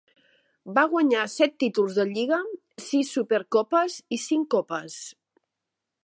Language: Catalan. Va guanyar set títols de lliga, sis súper copes i cinc copes.